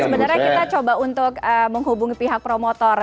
sebenarnya kita coba untuk menghubungi pihak promotor